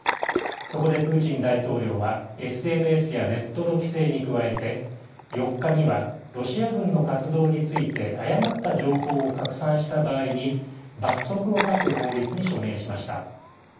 そこでプーチン大統領はＳＮＳやネットの規制に加えて４日にはロシア軍の活動について誤った情報を拡散した場合に罰則を科す法律に署名しました。